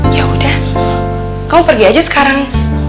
ya udah kamu pergi aja sekarang